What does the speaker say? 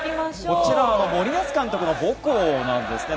こちら森保監督の母校なんですね。